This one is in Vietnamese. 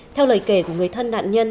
theo lời kể của người thân nạn nhân